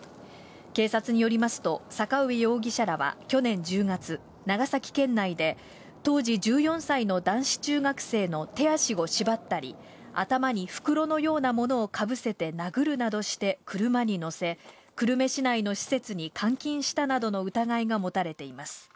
警察によりますと、坂上容疑者らは去年１０月、長崎県内で、当時１４歳の男子中学生の手足を縛ったり、頭に袋のようなものをかぶせて殴るなどして車に乗せ、久留米市内の施設に監禁したなどの疑いが持たれています。